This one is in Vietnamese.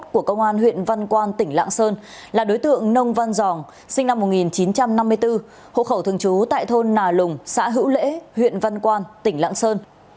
của công an huyện văn quan tỉnh lạng sơn là đối tượng nông văn giòn sinh năm một nghìn chín trăm năm mươi bốn hộ khẩu thường trú tại thôn nà lùng xã hữu lễ huyện văn quan tỉnh lạng sơn